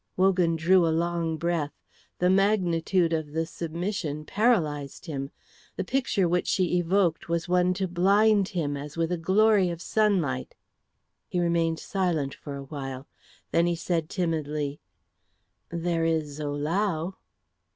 Wogan drew a long breath. The magnitude of the submission paralysed him. The picture which she evoked was one to blind him as with a glory of sunlight. He remained silent for a while. Then he said timidly, "There is Ohlau."